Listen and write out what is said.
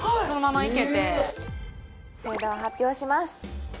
そのままいけてそれでは発表します